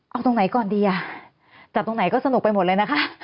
เอาตรงไหนก่อนดีอ่ะจับตรงไหนก็สนุกไปหมดเลยนะคะ